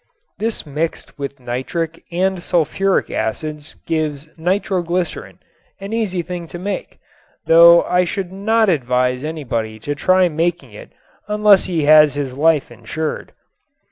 This mixed with nitric and sulfuric acids gives nitroglycerin, an easy thing to make, though I should not advise anybody to try making it unless he has his life insured.